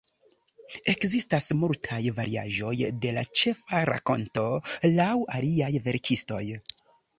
Ekzistas multaj variaĵoj de la ĉefa rakonto laŭ aliaj verkistoj.